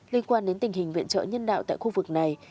liên quan đến tình hình viện trợ nhân đạo tại khu vực này